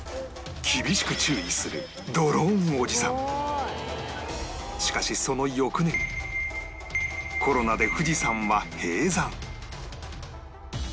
厳しく注意するしかしその翌年コロナで富士山は閉山